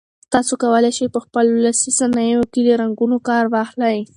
تاسي کولای شئ په خپلو لاسي صنایعو کې له رنګونو کار واخلئ.